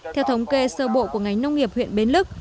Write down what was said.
theo thống kê sơ bộ của ngành nông nghiệp huyện bến lức